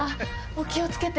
お気を付けて。